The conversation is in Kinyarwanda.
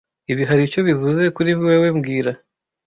Ibi hari icyo bivuze kuri wewe mbwira